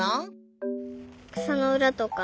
くさのうらとか？